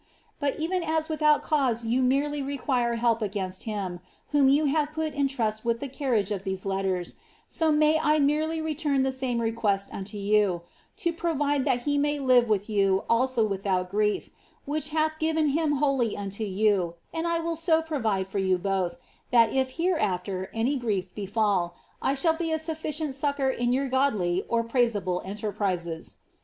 But even as witlh out cause you merely require help against him whom you have put in trust vifh the carriage of these Icners, so may I merely return the same request unto yo8| to provide that he may live with you also without grief, which hath given him wholly unto ytni : and I mi II so provide for you l>otli, that if hereafter any grief befall. I shall be a ^ifficient succour in your godly or praiseable enterprises.